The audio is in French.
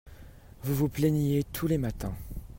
vous vous plaigniez tous les matins.